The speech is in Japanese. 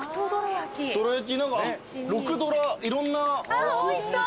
あっおいしそう！